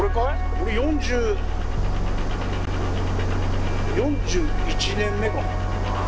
俺４０４１年目かな。